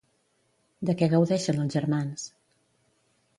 De què gaudeixen els germans?